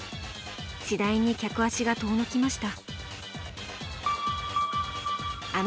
次第に客足が遠のきました。